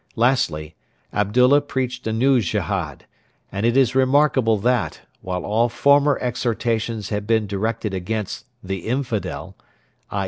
Lastly, Abdullah preached a new Jehad, and it is remarkable that, while all former exhortations had been directed against 'the infidel' i.